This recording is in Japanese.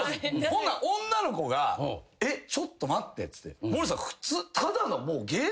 ほんなら女の子が「えっちょっと待って」って。